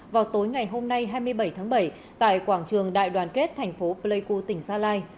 vào tối ngày hôm nay hai mươi bảy tháng bảy tại quảng trường đại đoàn kết thành phố pleiku tỉnh gia lai